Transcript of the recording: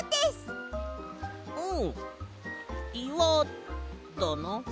うんいわだな。